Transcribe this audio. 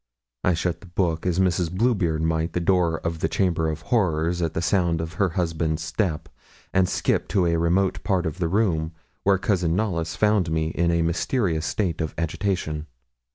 I shut the book, as Mrs. Bluebeard might the door of the chamber of horrors at the sound of her husband's step, and skipped to a remote part of the room, where Cousin Knollys found me in a mysterious state of agitation.